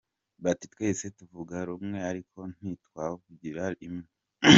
Bati twese tuvuga rumwe, ariko ntitwavugira limwe.